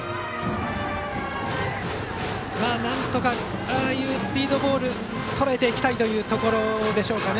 なんとかああいうスピードボールをとらえていきたいというところか。